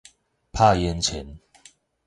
拍煙腸